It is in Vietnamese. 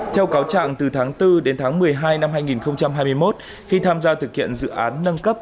theo cáo trạng từ tháng bốn đến tháng một mươi hai năm hai nghìn hai mươi một khi tham gia thực hiện dự án nâng cấp